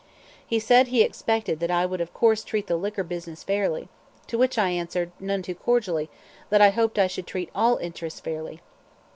He said he expected that I would of course treat the liquor business fairly; to which I answered, none too cordially, that I hoped I should treat all interests fairly.